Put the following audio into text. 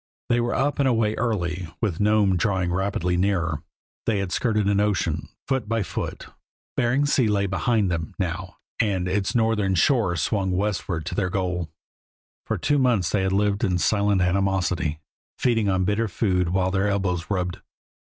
They were up and away early, with Nome drawing rapidly nearer. They had skirted an ocean, foot by foot; Bering Sea lay behind them, now, and its northern shore swung westward to their goal. For two months they had lived in silent animosity, feeding on bitter food while their elbows rubbed.